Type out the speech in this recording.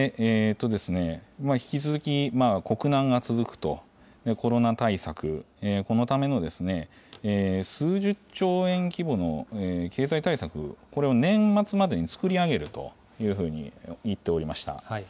引き続き国難が続くと、コロナ対策、このための数十兆円規模の経済対策、これを年末までに作り上げるというふうに言っておりました。